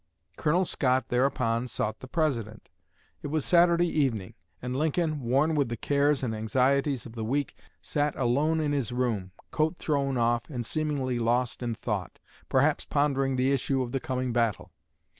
Colonel Scott thereupon sought the President. It was Saturday evening; and Lincoln, worn with the cares and anxieties of the week, sat alone in his room, coat thrown off, and seemingly lost in thought, perhaps pondering the issue of the coming battle.